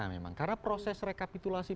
memang karena proses rekapitulasi